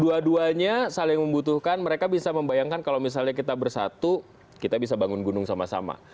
dua duanya saling membutuhkan mereka bisa membayangkan kalau misalnya kita bersatu kita bisa bangun gunung sama sama